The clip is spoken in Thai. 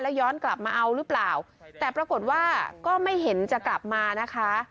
ย้อนกลับมาเอาหรือเปล่าแต่ปรากฏว่าก็ไม่เห็นจะกลับมานะคะ